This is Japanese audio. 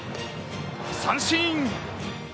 三振！